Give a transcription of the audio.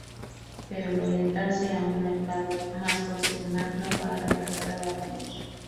Pero al orientarse a un mercado más "profesional" no va a reemplazar al Atmos.